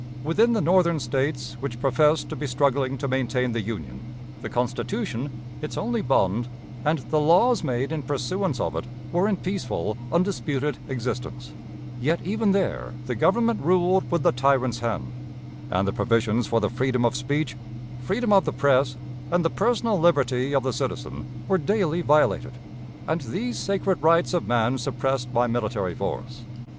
Within the Northern States, which professed to be struggling to maintain the Union, the Constitution, its only bond, and the laws made in pursuance of it, were in peaceful, undisputed existence; yet even there the Government ruled with the tyrant's hand, and the provisions for the freedom of speech, freedom of the press, and the personal liberty of the citizen, were daily violated, and these sacred rights of man suppressed by military force.